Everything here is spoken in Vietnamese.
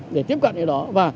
để tiếp cận như đó và